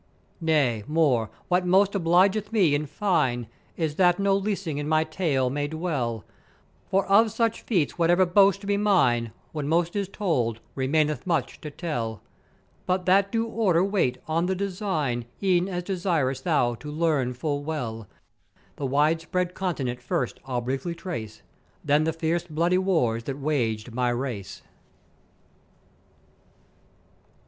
"Nay, more, what most obligeth me, in fine, is that no leasing in my tale may dwell; for of such Feats whatever boast be mine, when most is told, remaineth much to tell: But that due order wait on the design, e'en as desirest thou to learn full well, the wide spread Continent first I'll briefly trace, then the fierce bloody wars that waged my race.